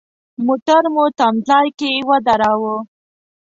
موټر مو تم ځای کې ودراوه.